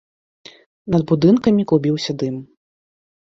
Над будынкамі клубіўся дым.